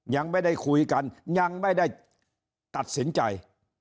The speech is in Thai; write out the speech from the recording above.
ยังไม่ได้คุยกันยังไม่ได้ตัดสินใจ